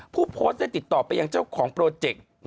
ผู้โพสต์ได้ติดต่อไปยังเจ้าของโปรเจกต์